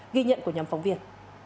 ghi nhận của nhóm phóng viên